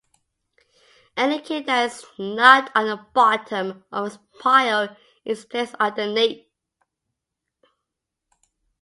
Any king that is not on the bottom of its pile is placed underneath.